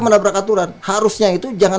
menabrak aturan harusnya itu jangan